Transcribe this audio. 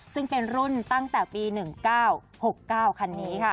ซึ่งเป็นรุ่นตั้งแต่ปี๑๙๖๙คันนี้ค่ะ